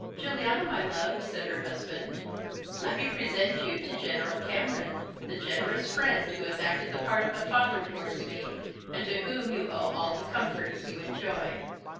"Juliana, my love," said her husband, "let me present you to General Cameron the generous friend who has acted the part of a father towards me, and to whom you owe all the comforts you enjoy."